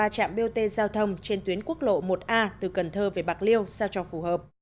ba trạm bot giao thông trên tuyến quốc lộ một a từ cần thơ về bạc liêu sao cho phù hợp